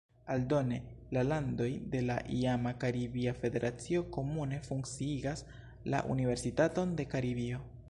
Aldone, la landoj de la iama Karibia Federacio komune funkciigas la Universitaton de Karibio.